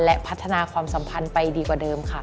และพัฒนาความสัมพันธ์ไปดีกว่าเดิมค่ะ